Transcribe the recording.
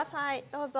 どうぞ。